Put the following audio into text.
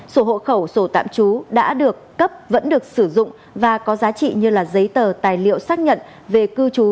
sổ hộ khẩu sổ tạm trú đã được cấp vẫn được sử dụng và có giá trị như giấy tờ tài liệu xác nhận về cư trú